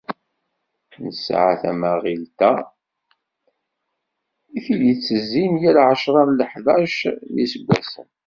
Nesεa tawaɣit-a i d-ittezzin yal εecra neɣ ḥdac n yiseggasen.